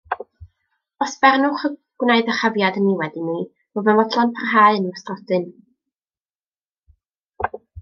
Os bernwch y gwnai ddyrchafiad niwed i mi, rwyf yn fodlon parhau yn wastrodyn.